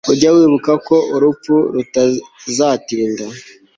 ujye wibuka ko urupfu rutazatinda